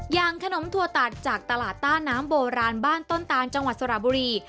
อย่างขนมถั่วตัดจากตลาดต้าน้ำโบราณบ้านต้นตานจังหวัดสระบุรี